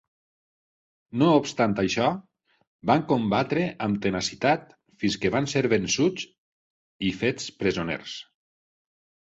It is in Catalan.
No obstant això, van combatre amb tenacitat fins que van ser vençuts i fets presoners.